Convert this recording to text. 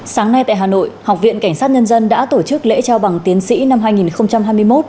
sáng nay tại hà nội học viện cảnh sát nhân dân đã tổ chức lễ trao bằng tiến sĩ năm hai nghìn hai mươi một